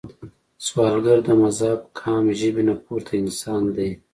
سوالګر د مذهب، قام، ژبې نه پورته انسان دی